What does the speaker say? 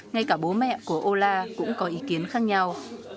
ngay cả bố mẹ của ola cũng có ý kiến khác nhau